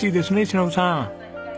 忍さん。